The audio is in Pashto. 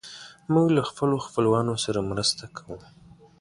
موږ له خپلو خپلوانو سره مرسته کوو.